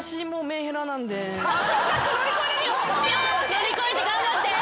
乗り越えて頑張って。